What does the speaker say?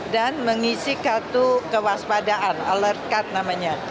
dan mengisi kartu kewaspadaan alert card namanya